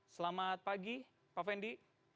selamat pagi pak fendi